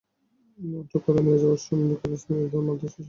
আটক করে নিয়ে যাওয়ার সময় বিক্ষুব্ধ শ্রমিকেরা তাঁকে মারধরের চেষ্টা করেন।